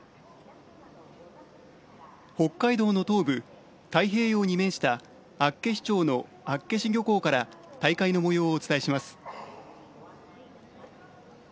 北海道の東部、太平洋に面した厚岸町の厚岸漁港から大会のもようをお伝えします。